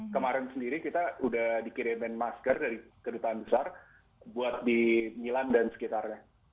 kemarin sendiri kita sudah dikirimin masker dari kedutaan besar buat di milan dan sekitarnya